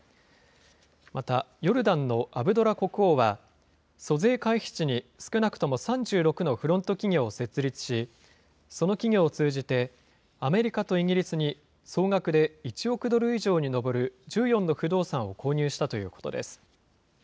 またヨルダンのアブドラ国王は、租税回避地に少なくとも３６のフロント企業を設立し、その企業を通じて、アメリカとイギリスに総額で１億ドル以上に上る１４の不動産を購入したということです。